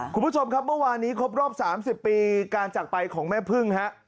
คุณผู้ชมครับเมื่อวานนี้ครบรอบ๓๐ปีการจักรไปของแม่พึ่งฮะ